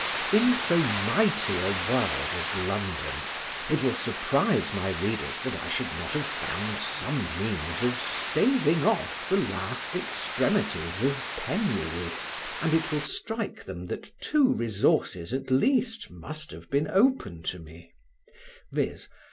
In so mighty a world as London it will surprise my readers that I should not have found some means of starving off the last extremities of penury; and it will strike them that two resources at least must have been open to me—viz.